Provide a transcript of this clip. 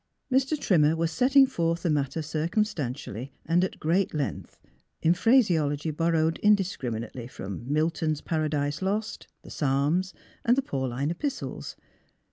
Mr. Trimmer was setting forth the matter circumstantially and at great length, in phraseology borrowed indis criminately from Milton's Paradise Lost, the Psalms and the Pauline Epistles.